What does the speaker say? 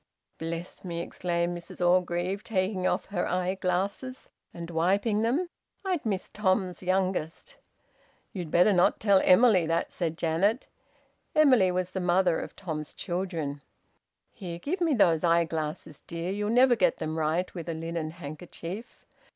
"Bless me!" exclaimed Mrs Orgreave, taking off her eyeglasses and wiping them, "I'd missed Tom's youngest." "You'd better not tell Emily that," said Janet. (Emily was the mother of Tom's children.) "Here, give me those eyeglasses, dear. You'll never get them right with a linen handkerchief.